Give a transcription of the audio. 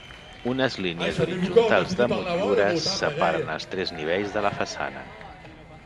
Unes línies horitzontals de motllures separen els tres nivells de la façana.